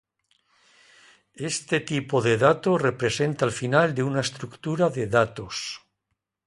Este tipo de dato representa el final de una estructura de datos.